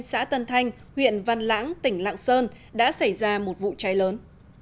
xã tân thanh huyện văn lãng tỉnh lạng sơn đã xảy ra một vụ cháy lớn